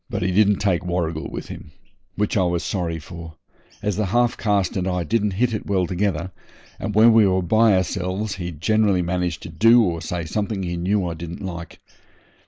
He didn't take Warrigal with him, which I was sorry for, as the half caste and I didn't hit it well together, and when we were by ourselves he generally managed to do or say something he knew I didn't like.